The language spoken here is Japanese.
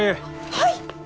はい！